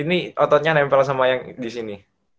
ini ototnya nempel sama yang disini